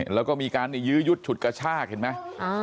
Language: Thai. แล้วก็มีการยื้อยุดฉุดกระชากเห็นไหม